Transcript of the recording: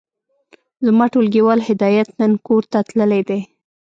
زما ټولګيوال هدايت نن کورته تللی دی.